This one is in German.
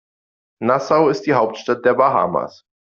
Nassau ist die Hauptstadt der Bahamas.